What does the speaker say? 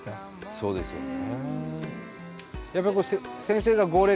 そうですね。